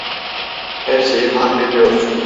Her şeyi mahvediyorsun.